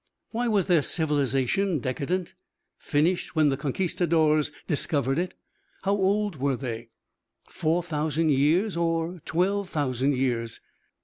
Why was their civilization decadent, finished when the conquistadores discovered it? How old were they four thousand years or twelve thousand years?